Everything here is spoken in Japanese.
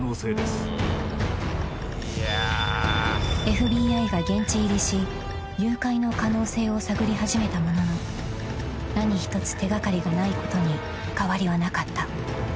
［ＦＢＩが現地入りし誘拐の可能性を探り始めたものの何一つ手掛かりがないことに変わりはなかった］